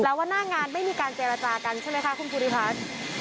แล้วว่าหน้างานไม่มีการเจรจากันใช่ไหมคะคุณภูริพัฒน์